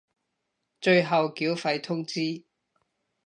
最後繳費通知